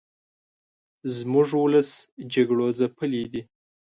زموږ ولس جګړو ځپلې دې